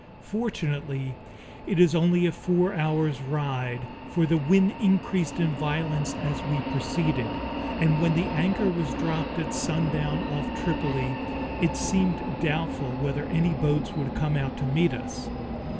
Fortunately it is only a four hours' ride, for the wind increased in violence as we proceeded, and when the anchor was dropped at sundown off Tripoli, it seemed doubtful whether any boats could come out to meet us.